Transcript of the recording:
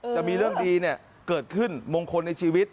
จะมีเรื่องดีเกิดขึ้นมงคลในชีวิต